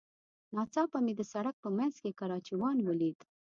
ناڅاپه مې د سړک په منځ کې کراچيوان وليد.